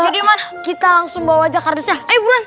jadi man kita langsung bawa aja kardusnya ayo buan